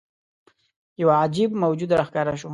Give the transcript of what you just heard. یوه عجيب موجود راښکاره شو.